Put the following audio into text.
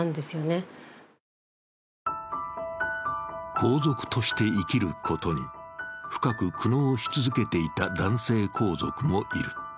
皇族として生きることに深く苦悩し続けていた男性皇族もいる。